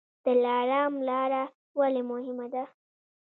دلارام لاره ولې مهمه ده؟